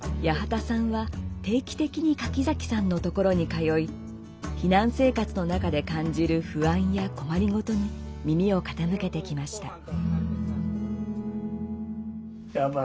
八幡さんは定期的に柿崎さんのところに通い避難生活の中で感じる不安や困り事に耳を傾けてきました。